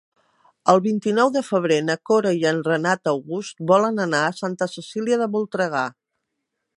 El vint-i-nou de febrer na Cora i en Renat August volen anar a Santa Cecília de Voltregà.